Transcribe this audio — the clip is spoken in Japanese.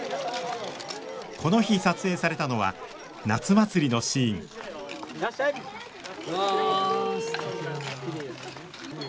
この日撮影されたのは夏祭りのシーンわすてきだなあ。